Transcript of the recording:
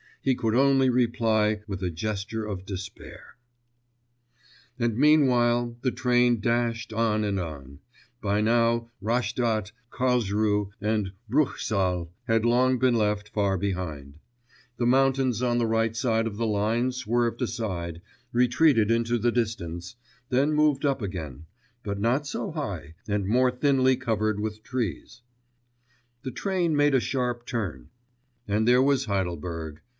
He could only reply with a gesture of despair. And meanwhile the train dashed on and on; by now Rastadt, Carlsruhe, and Bruchsal had long been left far behind; the mountains on the right side of the line swerved aside, retreated into the distance, then moved up again, but not so high, and more thinly covered with trees.... The train made a sharp turn ... and there was Heidelberg.